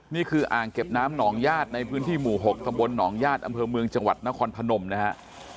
นี่คืออ่างเก็บน้ำหนองญาติในพื้นที่หมู่๖ตำบลหนองญาติอำเภอเมืองจังหวัดนครพนมนะฮะ